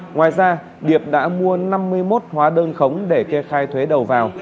ngoài ra điệp đã mua năm mươi một hóa đơn khống để kê khai thuế đầu vào